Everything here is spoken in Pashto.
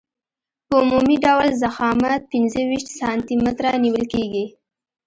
په عمومي ډول ضخامت پنځه ویشت سانتي متره نیول کیږي